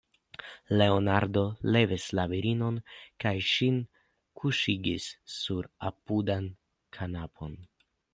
Leonardo levis la virinon kaj ŝin kuŝigis sur apudan kanapon.